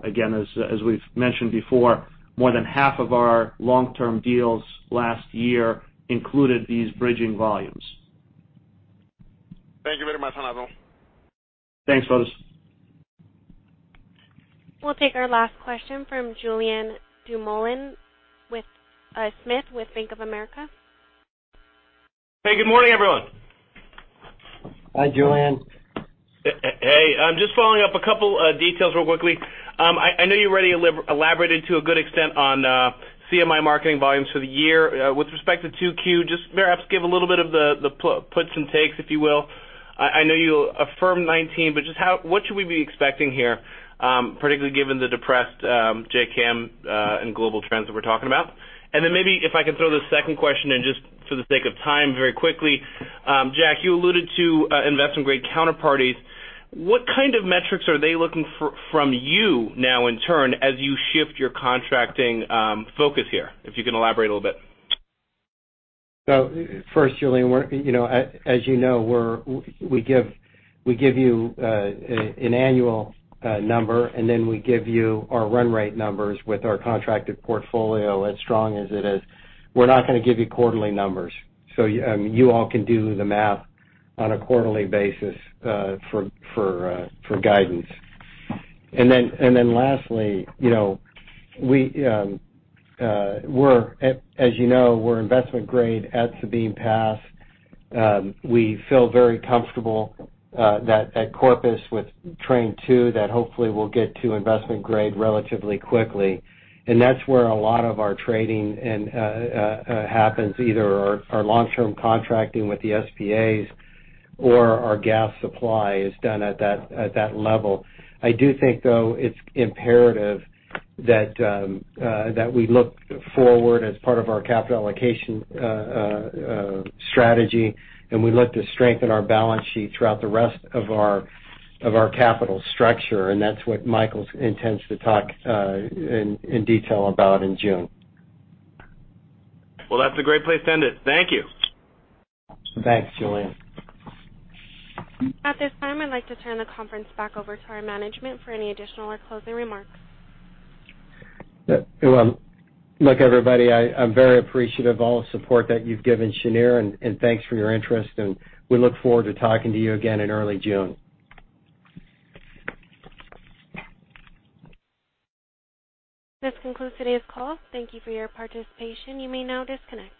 Again, as we've mentioned before, more than half of our long-term deals last year included these bridging volumes. Thank you very much, Anatol. Thanks, Fotis. We'll take our last question from Julien Dumoulin-Smith with Bank of America. Hey, good morning, everyone. Hi, Julien. Hey. Just following up a couple details real quickly. I know you already elaborated to a good extent on CMI marketing volumes for the year. With respect to 2Q, just perhaps give a little bit of the puts and takes, if you will. I know you affirmed 2019, but just what should we be expecting here, particularly given the depressed JKM and global trends that we're talking about? Maybe if I can throw the second question in, just for the sake of time, very quickly. Jack, you alluded to investment-grade counterparties. What kind of metrics are they looking for from you now in turn, as you shift your contracting focus here? If you can elaborate a little bit. First, Julien, as you know, we give you an annual number, we give you our run rate numbers with our contracted portfolio, as strong as it is. We're not going to give you quarterly numbers. You all can do the math on a quarterly basis for guidance. Lastly, as you know, we're investment grade at Sabine Pass. We feel very comfortable that at Corpus, with train 2, that hopefully we'll get to investment grade relatively quickly. That's where a lot of our trading happens, either our long-term contracting with the SPAs or our gas supply is done at that level. I do think, though, it's imperative that we look forward as part of our capital allocation strategy, we look to strengthen our balance sheet throughout the rest of our capital structure, that's what Michael intends to talk in detail about in June. That's a great place to end it. Thank you. Thanks, Julien. At this time, I'd like to turn the conference back over to our management for any additional or closing remarks. Look, everybody, I'm very appreciative of all the support that you've given Cheniere, and thanks for your interest, and we look forward to talking to you again in early June. This concludes today's call. Thank you for your participation. You may now disconnect.